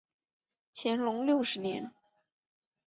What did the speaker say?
乾隆六十年。